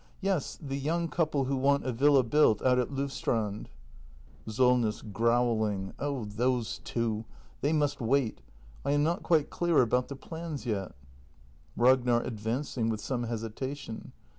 ] Yes, the young couple who want a villa built, out at Lovstrand. Solness. [Grouping.] Oh, those two! They must wait. I am not quite clear about the plans yet. Ragnar. [Advancing, with some hesitation.